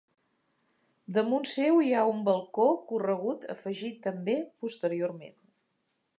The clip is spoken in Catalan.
Damunt seu hi ha un balcó corregut afegit també posteriorment.